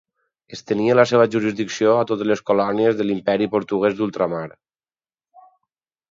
Estenia la seva jurisdicció a totes les colònies de l'Imperi portuguès d'ultramar.